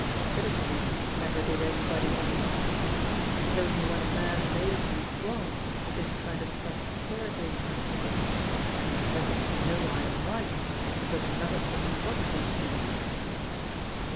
"Criticism never did anybody any harm; it is only when a man knows he is wrong that this kind of stuff irritates him. As I happen to know I am right, it doesn't matter to me what they say."